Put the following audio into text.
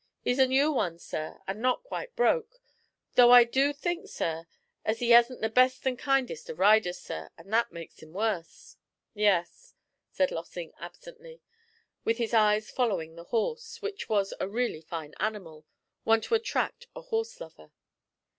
''E's a new one, sir, and not quite broke; though I do think, sir, as he 'asn't the best and kindest of riders, sir, and that makes 'im worse.' 'Yes,' said Lossing absently, with his eyes following the horse, which was a really fine animal, one to attract a horse lover.